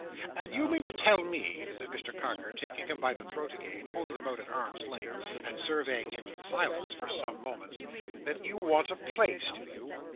"And you mean to tell me," said Mr Carker, taking him by the throat again, holding him out at arm's length, and surveying him in silence for some moments, "that you want a place, do you?"